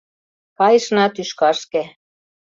Кайышна тӱшкашке.